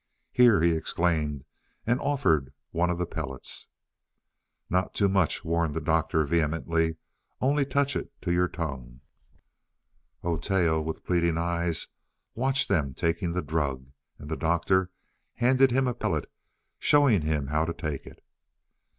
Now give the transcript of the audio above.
"Here," he exclaimed, and offered one of the pellets. "Not too much," warned the Doctor vehemently, "only touch it to your tongue." Oteo, with pleading eyes, watched them taking the drug, and the Doctor handed him a pellet, showing him how to take it.